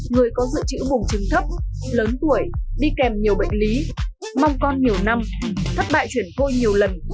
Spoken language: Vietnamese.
người có dự trữ bùn trứng thấp lớn tuổi đi kèm nhiều bệnh lý mong con nhiều năm thất bại chuyển khôi nhiều lần